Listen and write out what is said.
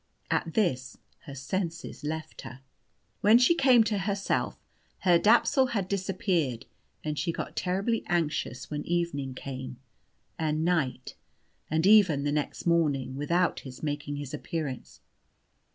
At this her senses left her. When she came to herself, Herr Dapsul had disappeared, and she got terribly anxious when evening came, and night, and even the next morning, without his making his appearance.